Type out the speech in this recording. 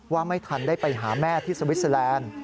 ว่าไม่ทันได้ไปหาแม่ที่สวิสเตอร์แลนด์